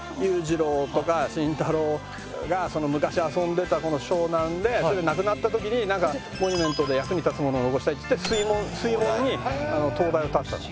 石原裕次郎とか慎太郎が昔遊んでたこの湘南で亡くなった時になんかモニュメントで役に立つものを残したいっつって水門に灯台を建てたの。